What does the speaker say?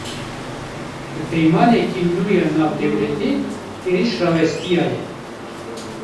Bi peymaneke nû ya navdewletî, êriş rawestiya ye